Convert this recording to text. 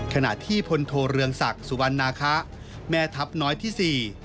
ขณะที่พลโทเรืองศักดิ์สุวรรณาคะแม่ทัพน้อยที่สี่